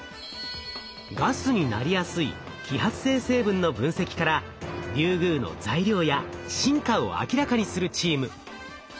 ガスになりやすい揮発性成分の分析からリュウグウの材料や進化を明らかにするチーム。